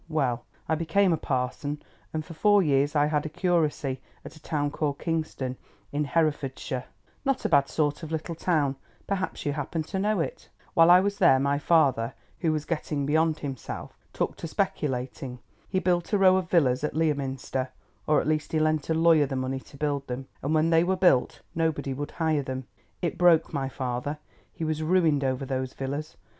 Well, I became a parson, and for four years I had a curacy at a town called Kingston, in Herefordshire, not a bad sort of little town—perhaps you happen to know it. While I was there, my father, who was getting beyond himself, took to speculating. He built a row of villas at Leominster, or at least he lent a lawyer the money to build them, and when they were built nobody would hire them. It broke my father; he was ruined over those villas.